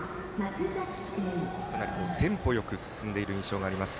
テンポよく進んでいる印象があります。